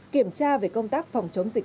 kiểm tra về công tác phòng chống dịch